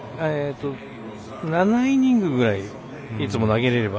７イニングぐらいいつも投げられれば。